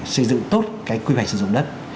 xây dựng tốt cái quy hoạch sử dụng đất